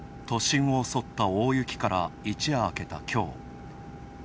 都心を襲った大雪から一夜明けた、きょう。